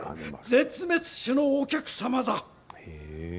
絶滅種のお客様だ。